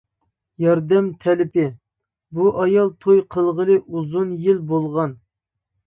ياردەم تەلىپى: بۇ ئايال توي قىلغىلى ئۇزۇن يىل بولغان.